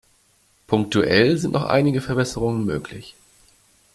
Punktuell sind noch einige Verbesserungen möglich.